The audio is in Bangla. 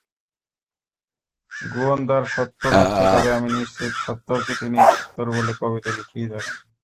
গুওণদার সত্তর হচ্ছে, তবে আমি নিশ্চিত, সত্তরকে তিনি ধুত্তোর বলে কবিতা লিখেই যাবেন।